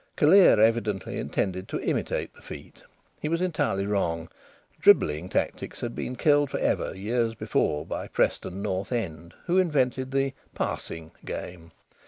Callear evidently intended to imitate the feat. He was entirely wrong. Dribbling tactics had been killed for ever, years before, by Preston North End, who invented the "passing" game.